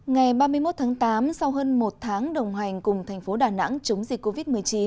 ngày ba mươi một tháng tám sau hơn một tháng đồng hành cùng thành phố đà nẵng chống dịch covid một mươi chín